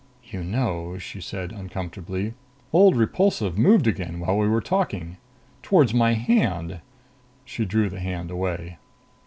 "You know," she said uncomfortably, "old Repulsive moved again while we were talking! Towards my hand." She drew the hand away.